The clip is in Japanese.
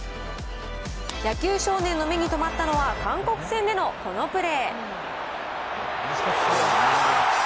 野球少年の目に留まったのは、韓国戦でのこのプレー。